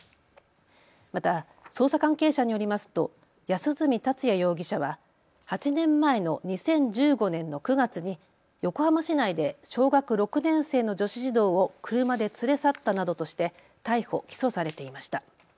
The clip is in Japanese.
また捜査関係者によりますと安栖達也容疑者は８年前の２０１５年の９月に横浜市内で小学６年生の女子児童を車で連れ去ったなどとして逮捕・起訴されていました。